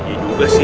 iya juga sih